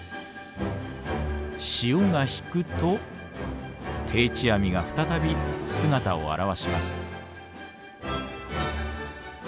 潮が引くと定置網が再び姿を現します。